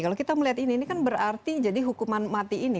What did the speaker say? kalau kita melihat ini ini kan berarti jadi hukuman mati ini